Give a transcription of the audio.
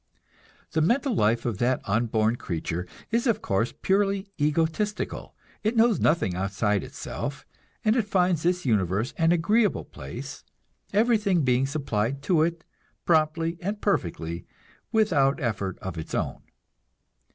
The mental life of that unborn creature is of course purely egotistical; it knows nothing outside itself, and it finds this universe an agreeable place everything being supplied to it, promptly and perfectly, without effort of its own.